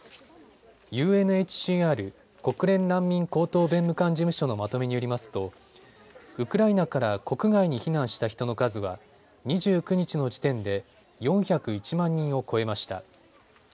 ＵＮＨＣＲ・国連難民高等弁務官事務所のまとめによりますとウクライナから国外に避難した人の数は２９日の時点で４０１万人を超えました。